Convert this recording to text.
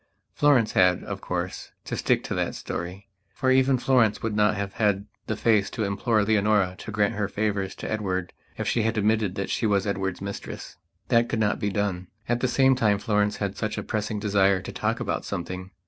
Florence had, of course, to stick to that story; for even Florence would not have had the face to implore Leonora to grant her favours to Edward if she had admitted that she was Edward's mistress. That could not be done. At the same time Florence had such a pressing desire to talk about something.